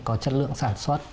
có chất lượng sản xuất